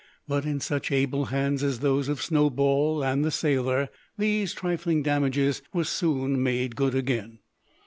But in such able hands as those of Snowball and the sailor, these trifling damages were soon made good again.